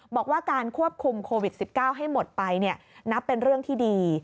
บอกว่าการควบคุมโควิด๑๙ให้หมดไปนับเป็นเรื่องที่ดี